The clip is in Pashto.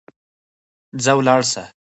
ځه ولاړ سه.